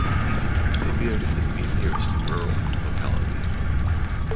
Sibir is the nearest rural locality.